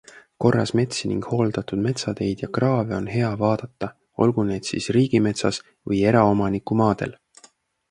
Korras metsi ning hooldatud metsateid ja kraave on hea vaadata, olgu need siis riigimetsas või eraomaniku maadel.